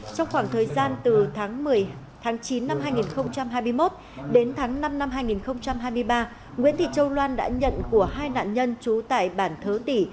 trong khoảng thời gian từ tháng chín năm hai nghìn hai mươi một đến tháng năm năm hai nghìn hai mươi ba nguyễn thị châu loan đã nhận của hai nạn nhân trú tại bản thớ tỉ